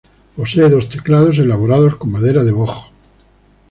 Posee dos teclados, elaborados con madera de boj.